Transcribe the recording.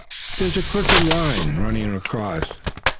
"There's a crooked line running across.